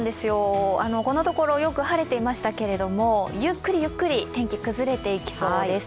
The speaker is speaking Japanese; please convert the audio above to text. このところ、よく晴れていましたけれども、ゆっくりゆっくり天気、崩れていきそうです。